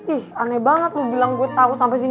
ih aneh banget lo bilang gue tau sampai sini